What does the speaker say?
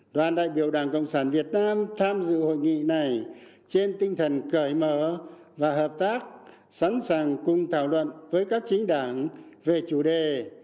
đoàn đại biểu đảng cộng sản việt nam tham dự hội nghị này trên tinh thần cởi mở và hợp tác sẵn sàng cùng thảo luận với các chính đảng về chủ đề